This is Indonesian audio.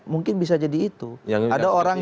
mungkin bisa jadi itu ada orang